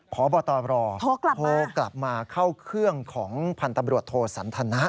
พบตรโทรกลับมาเข้าเครื่องของพันธุ์ตำรวจโทสันทนะ